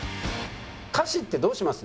「歌詞ってどうします？